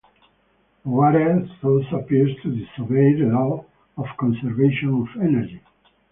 The water thus appears to disobey the law of conservation of energy.